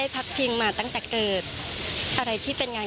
ประจำท่ามท่านพี่ยอมพี่ชีพพี่กาย